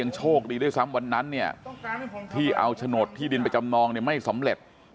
โชคดีด้วยซ้ำวันนั้นเนี่ยที่เอาโฉนดที่ดินไปจำนองไม่สำเร็จ